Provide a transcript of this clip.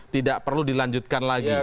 tidak perlu dilanjutkan lagi